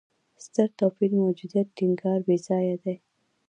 ستر توپیر موجودیت ټینګار بېځایه دی.